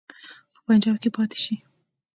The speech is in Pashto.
په پنجاب کې پاته شي.